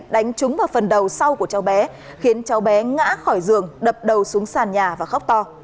đánh trúng vào phần đầu sau của cháu bé khiến cháu bé ngã khỏi giường đập đầu xuống sàn nhà và khóc to